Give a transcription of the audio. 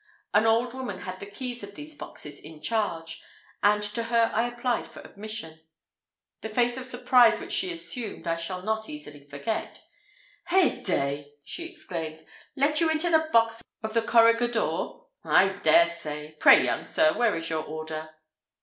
An old woman had the keys of these boxes in charge, and to her I applied for admission. The face of surprise which she assumed I shall not easily forget. "Heyday!" she exclaimed, "let you into the box of the corregidor! I dare say! Pray, young sir, where is your order?"